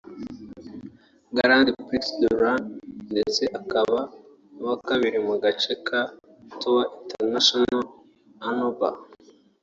Grand Prix d’Oran ndetse akaba n’uwa kabiri mu gace ka Tour international d’Annaba